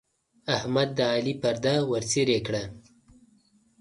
احمد د علي پرده ورڅيرې کړه.